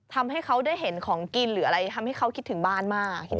ทำให้เขาได้เห็นของกินหรืออะไรทำให้เขาคิดถึงบ้านมาก